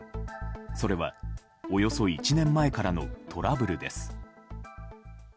それは、およそ１年前からのトラブルです。